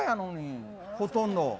ほとんど。